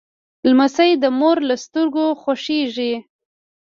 لمسی د مور له سترګو خوښیږي.